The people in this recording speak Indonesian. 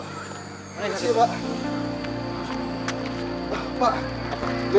enggak pak enggak